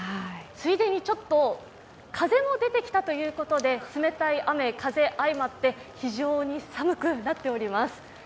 ついでにちょっと、風も出てきたということで冷たい雨、風相まって非常に寒くなっています。